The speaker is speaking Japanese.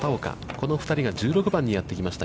この２人が１６番にやってきました。